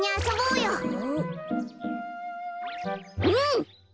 うん！